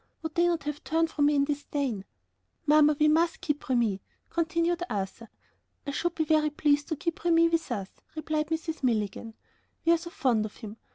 Would they not have turned from me in disdain! "Mamma, we must keep Remi," continued Arthur. "I should be very pleased to keep Remi with us," replied Mrs. Milligan; "we are so fond of him.